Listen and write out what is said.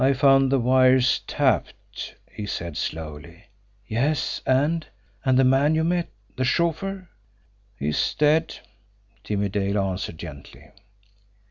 "I found the wires tapped," he said slowly. "Yes, and and the man you met the chauffeur?" "He is dead," Jimmie Dale answered gently.